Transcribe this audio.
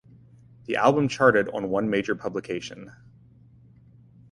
The album charted on one major publication.